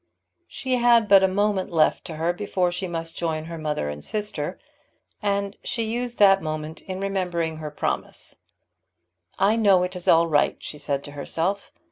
She had but a moment left to her before she must join her mother and sister, and she used that moment in remembering her promise. "I know it is all right," she said to herself.